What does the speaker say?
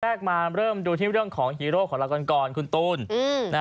แรกมาเริ่มดูที่เรื่องของฮีโร่ของเรากันก่อนคุณตูน